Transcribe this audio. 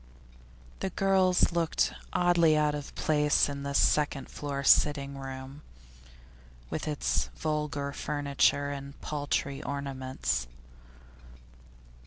The girls looked oddly out of place in this second floor sitting room, with its vulgar furniture and paltry ornaments.